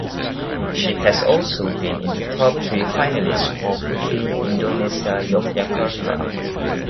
She has also been in the top three finalists for Putri Indonesia Yogyakarta.